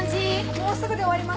もうすぐで終わります。